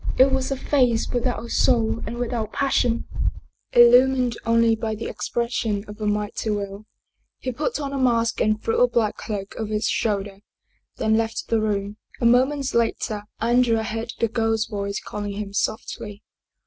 It was a face without a soul and without passion, illumined only by the expression of a mighty will. He put on a mask and threw a black cloak over his shoulder, then left the room. A moment later Andrea heard the girl's voice calling him softly.